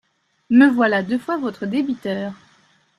Me voilà deux fois votre débiteur.